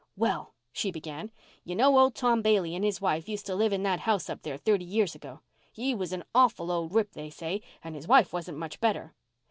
"Well," she began, "you know old Tom Bailey and his wife used to live in that house up there thirty years ago. He was an awful old rip, they say, and his wife wasn't much better.